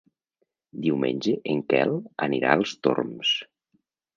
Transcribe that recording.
Diumenge en Quel anirà als Torms.